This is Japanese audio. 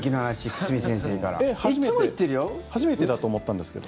初めてだと思ったんですけど。